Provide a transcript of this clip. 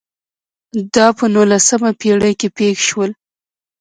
دا په نولسمه پېړۍ کې پېښ شول.